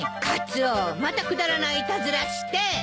カツオまたくだらないいたずらして。